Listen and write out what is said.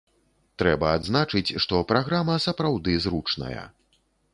Трэба адзначыць, што праграма сапраўды зручная.